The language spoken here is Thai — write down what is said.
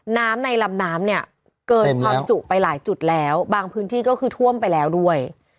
น้ำในลำน้ำเนี่ยเกินความจุไปหลายจุดแล้วบางพื้นที่ก็คือท่วมไปแล้วด้วย